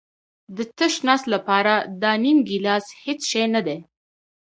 د تش نس لپاره دا نیم ګیلاس هېڅ شی نه دی.